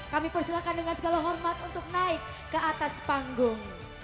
kami persilahkan dengan segala hormat untuk naik ke atas panggung